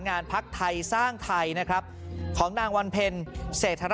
นี่ค่ะเมืองหลวงของเพื่อไทย